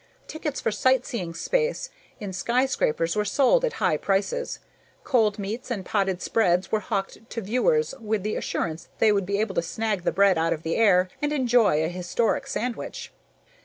Tickets for sightseeing space in skyscrapers were sold at high prices; cold meats and potted spreads were hawked to viewers with the assurance that they would be able to snag the bread out of the air and enjoy a historic sandwich.